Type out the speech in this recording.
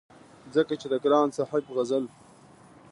ځکه چې د ګران صاحب غزل